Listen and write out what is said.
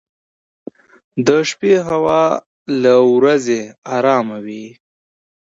• د شپې هوا له ورځې ارام وي.